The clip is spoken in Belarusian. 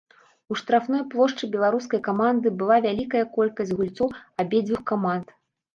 У штрафной плошчы беларускай каманды была вялікая колькасць гульцоў абедзвюх каманд.